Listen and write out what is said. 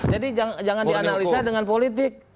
jadi jangan dianalisa dengan politik